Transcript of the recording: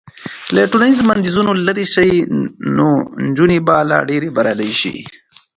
که ټولنیز بندیزونه لرې شي نو نجونې به لا ډېرې بریالۍ شي.